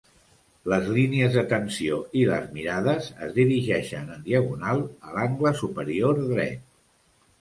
Les línies de tensió i les mirades es dirigeixen en diagonal a l'angle superior dret.